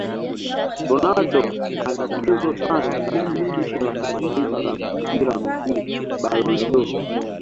Ronaldo ana tuzo tano za shirikisho la kimataifa la mpira wa miguu Ballon dOr